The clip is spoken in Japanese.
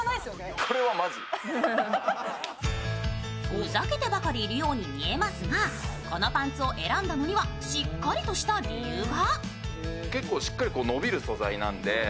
ふざけてばかりいるように見えますが、このパンツを選んだのには、しっかりとした理由が。